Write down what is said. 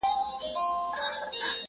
چي پيشو مخي ته راغله برابره!!